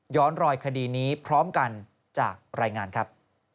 รอยคดีนี้พร้อมกันจากรายงานครับ